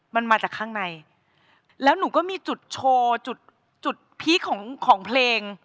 มันมาจากข้างในแล้วหนูก็มีจุดโชว์จุดจุดพีคของของเพลง